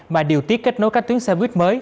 mà điều tiết kết nối các tuyến xe buýt mới